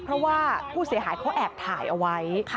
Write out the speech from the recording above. เพราะว่าผู้เสียหายเขาแอบถ่ายเอาไว้